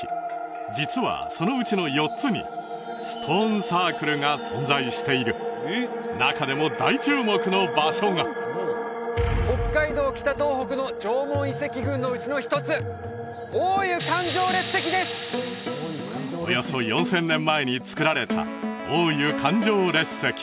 実はそのうちの４つにが存在している中でも大注目の場所が北海道北東北の縄文遺跡群のうちの一つおよそ４０００年前につくられた大湯環状列石